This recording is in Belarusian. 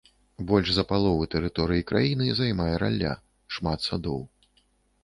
Больш за палову тэрыторыі краіны займае ралля, шмат садоў.